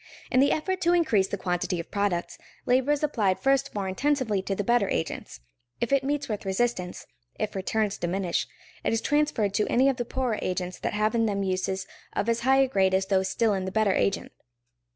In the effort to increase the quantity of products, labor is applied first more intensively to the better agents. If it meets with resistance, if returns diminish, it is transferred to any of the poorer agents that have in them uses of as high grade as those still in the better agent.